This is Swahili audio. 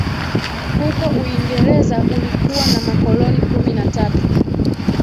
Huko Uingereza ulikuwa na makoloni kumi na tatu